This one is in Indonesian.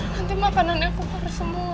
nanti makanan aku karir semua